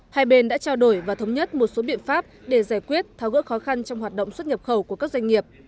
hai bên đã trao đổi và thống nhất một số biện pháp để giải quyết tháo gỡ khó khăn trong hoạt động xuất nhập khẩu của các doanh nghiệp